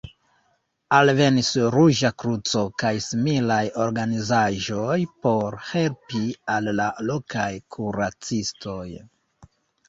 Alvenis Ruĝa Kruco kaj similaj organizaĵoj por helpi al la lokaj kuracistoj.